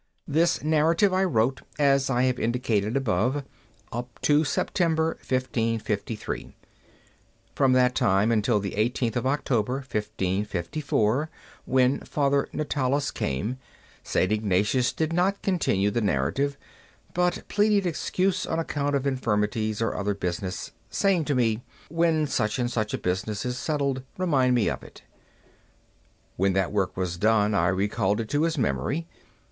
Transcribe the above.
This narrative I wrote, as I have indicated above, up to September, 1553. From that time until the 18th of October, 1554, when Father Natalis came, St. Ignatius did not continue the narrative, but pleaded excuse on account of infirmities or other business, saying to me, "When such and such a business is settled, remind me of it." When that work was done, I recalled it to his memory.